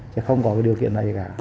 chứ không có điều kiện này gì cả